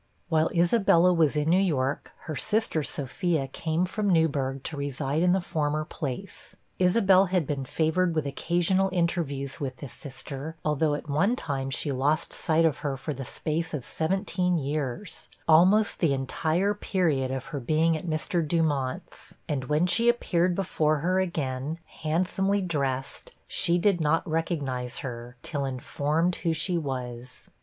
While Isabella was in New York, her sister Sophia came from Newburg to reside in the former place. Isabel had been favored with occasional interviews with this sister, although at one time she lost sight of her for the space of seventeen years almost the entire period of her being at Mr. Dumont's and when she appeared before her again, handsomely dressed, she did not recognize her, till informed who she was.